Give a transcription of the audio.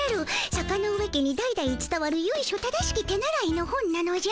坂ノ上家に代々つたわるゆいしょ正しき手習いの本なのじゃ。